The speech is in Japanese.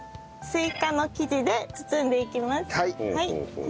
スイカの生地で包んでいきます。